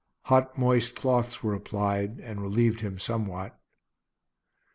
Hot moist cloths were applied, and relieved him somewhat.